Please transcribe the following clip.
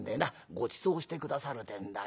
ごちそうして下さるってんだよ」。